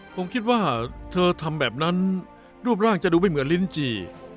ผมคิดว่าเธอทำแบบนั้นรูปร่างจะดูไม่เหมือนลิ้นจี่